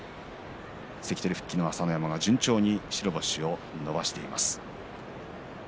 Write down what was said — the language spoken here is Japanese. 関取復帰の朝乃山は順調に白星を伸ばしています。